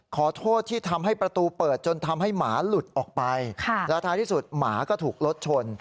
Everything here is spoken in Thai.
ขอโทษที่ทำให้ประตูเปิดจนทำให้หมาหลุดออกไปแล้วท้ายที่สุดหมาก็ถูกรถชน